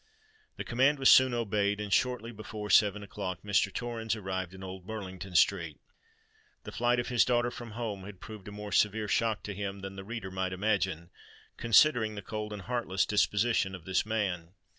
This command was soon obeyed, and shortly before seven o'clock Mr. Torrens arrived in Old Burlington Street. The flight of his daughter from home had proved a more severe shock to him than the reader might imagine, considering the cold and heartless disposition of this man.